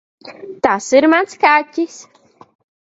Tas ir mans kaķis.